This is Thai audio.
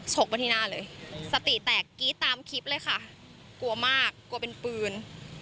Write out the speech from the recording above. กมาที่หน้าเลยสติแตกกรี๊ดตามคลิปเลยค่ะกลัวมากกลัวเป็นปืน